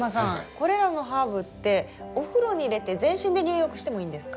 これらのハーブってお風呂に入れて全身で入浴してもいいんですか？